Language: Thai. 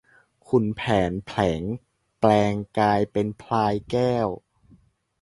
ขุนแผนแผลงแปลงกายเป็นพลายแก้ว